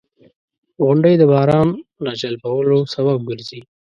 • غونډۍ د باران راجلبولو سبب ګرځي.